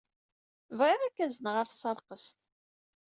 Bɣiɣ ad k-azneɣ ɣer tesreqqest.